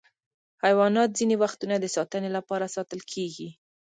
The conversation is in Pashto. حیوانات ځینې وختونه د ساتنې لپاره ساتل کېږي.